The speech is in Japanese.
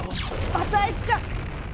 またあいつか！